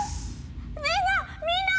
みんなみんな！